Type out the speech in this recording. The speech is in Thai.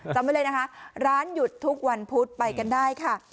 จำไว้เลยนะคะร้านหยุดทุกวันพุธไปกันได้ค่ะ